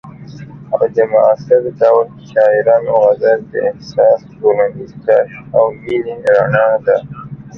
او د معاصر دور شاعرانو غزل د احساس، ټولنیز درد او مینې رڼا ده.